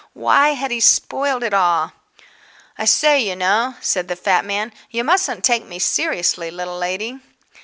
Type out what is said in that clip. Why had he spoiled it all? "I say, you know," said the fat man, "you mustn't take me seriously, little lady."